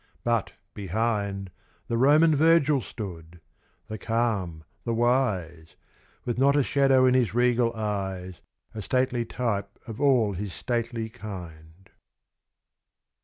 But, behind, The Roman Virgil stood the calm, the wise With not a shadow in his regal eyes, A stately type of all his stately kind.